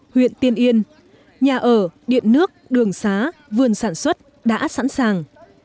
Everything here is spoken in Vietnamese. huyện tiên yên nhà ở điện nước đường xá vườn sản xuất đã sẵn sàng